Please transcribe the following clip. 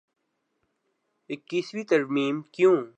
ائیسویں ترمیم کیوں؟